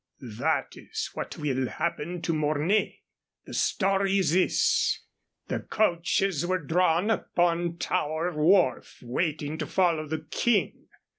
"Pf! That is what will happen to Mornay. The story is this: The coaches were drawn up on Tower Wharf, waiting to follow the King.